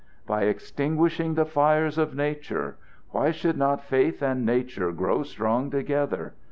"By extinguishing the fires of nature! Why should not faith and nature grow strong together?